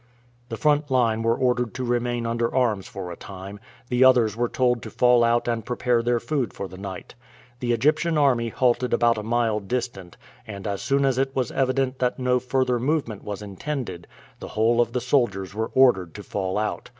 The front line were ordered to remain under arms for a time; the others were told to fall out and prepare their food for the night. The Egyptian army halted about a mile distant, and as soon as it was evident that no further movement was intended, the whole of the soldiers were ordered to fall out.